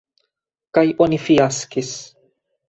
Kaj oni fiaskis.